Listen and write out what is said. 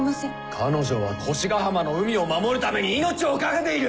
彼女は星ヶ浜の海を守るために命を懸けている！